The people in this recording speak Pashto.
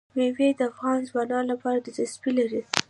مېوې د افغان ځوانانو لپاره دلچسپي لري.